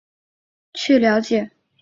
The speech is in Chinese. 从不同角度去了解